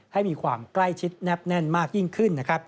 ให้มีความใกล้ชิดแนบแน่นมากยิ่งขึ้นนะครับ